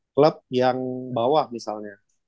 klub yang bawah misalnya